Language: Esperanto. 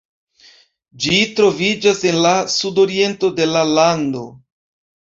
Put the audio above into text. Ĝi troviĝas en la sudoriento de la lando.